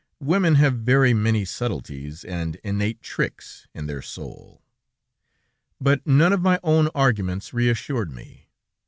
Women have very many subtleties and innate tricks in their soul! "But none of my own arguments reassured me.